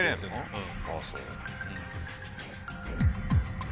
うん。